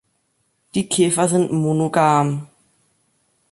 Die Käfer sind monogam.